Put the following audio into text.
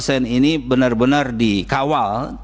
kita berharap kedepan dua puluh ini benar benar dikawal